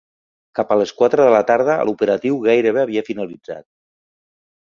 Cap a les quatre de la tarda, l'operatiu gairebé havia finalitzat.